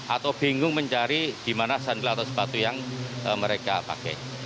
atau bingung mencari di mana sandral atau sepatu yang mereka pakai